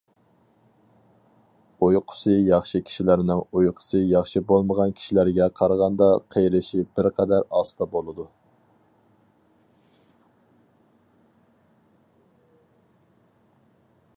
ئۇيقۇسى ياخشى كىشىلەرنىڭ ئۇيقۇسى ياخشى بولمىغان كىشىلەرگە قارىغاندا قېرىشى بىر قەدەر ئاستا بولىدۇ.